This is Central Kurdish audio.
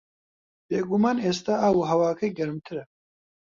بێگومان ئێستا ئاو و ھەواکەی گەرمترە